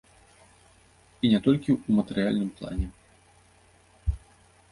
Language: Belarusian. І не толькі ў матэрыяльным плане.